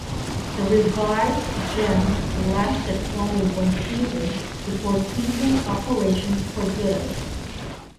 The revived Gems lasted only one season before ceasing operations for good.